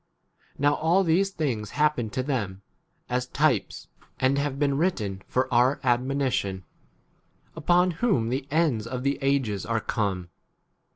Now all these things happened to them [as] types, and have been written for our admonition, upon whom 12 the ends of the ages are come.